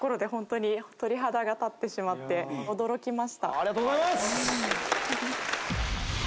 ありがとうございます！